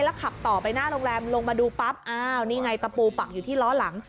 แล้วขับต่อไปหน้าโรงแรมลงมาดูปั๊บอ้าวนี่ไงตะปูปักอยู่ที่ล้อหลัง